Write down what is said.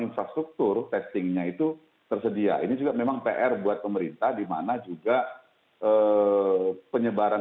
infrastruktur testingnya itu tersedia ini juga memang pr buat pemerintah dimana juga penyebaran